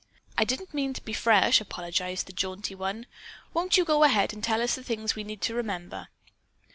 "I didn't mean to be fresh," apologized the jaunty one. "Won't you go ahead and tell us the things we need to remember?"